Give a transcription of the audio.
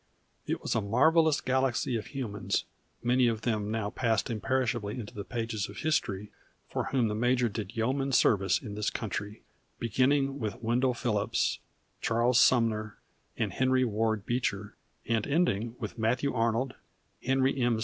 It was a marvelous galaxy of humans, many of them now passed imperishably into the pages of history, for whom the major did yeoman service in this country, beginning with Wendell Phillips, Charles Sumner, and Henry Ward Beecher, and ending with Matthew Arnold, Henry M.